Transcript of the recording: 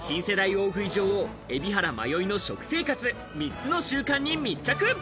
大食い女王・海老原まよいの食生活、３つの習慣に密着。